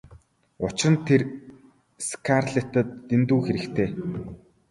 Учир нь тэр Скарлеттад дэндүү хэрэгтэй.